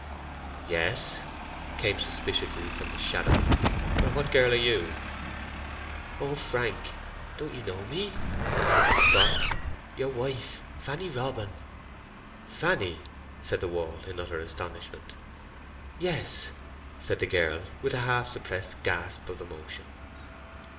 "Yes," came suspiciously from the shadow. "What girl are you?" "Oh, Frank—don't you know me?" said the spot. "Your wife, Fanny Robin." "Fanny!" said the wall, in utter astonishment. "Yes," said the girl, with a half suppressed gasp of emotion.